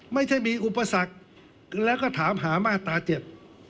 ไม่ใช่มีอุปสรรคแล้วก็ถามหามาตราเจ็ด